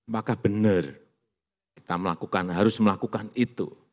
maka benar kita melakukan harus melakukan itu